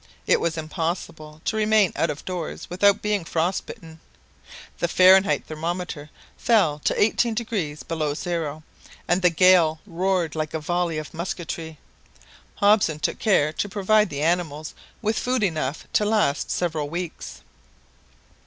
It was impossible to remain out of doors without being frost bitten. The Fahrenheit thermometer fell to 18° below zero, and the gale roared like a volley of musketry. Hobson took care to provide the animals with food enough to last several weeks.